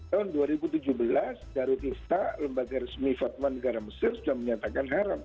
tahun dua ribu tujuh belas darul ifta lembaga resmi fatma negara mesir sudah menyatakan haram